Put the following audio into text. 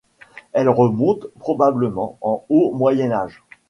Elles remontent probablement au Haut Moyen Âge.